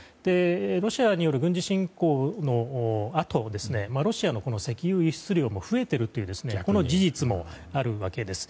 ロシアによる軍事侵攻のあとロシアの石油輸出量も増えているという事実もあるわけです。